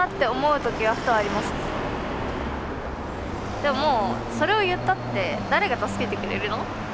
でももうそれを言ったって誰が助けてくれるの？って。